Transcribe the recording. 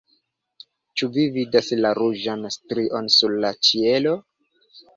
ĉu vi vidas la ruĝan strion sur la ĉielo?